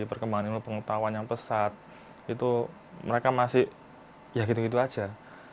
perkembangan ilmu pengetahuan yang pesat itu mereka masih ya gitu gitu aja